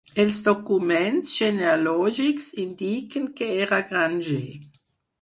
Els documents genealògics indiquen que era granger.